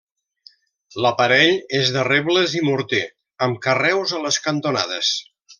L'aparell és de rebles i morter, amb carreus a les cantonades.